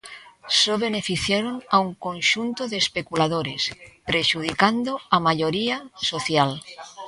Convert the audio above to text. Só beneficiaron a un conxunto de especuladores, prexudicando á maioría social.